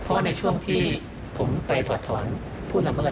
เพราะในช่วงที่ผมไปถอดถอนผู้ละเมิด